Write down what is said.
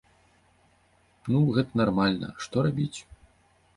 Ну гэта нармальна, а што рабіць?